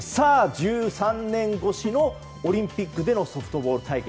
１３年越しのオリンピックのソフトボール対決